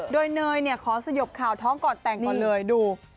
โดยเนยขอสะยบข่าวท้องต่างก่อนเลยดู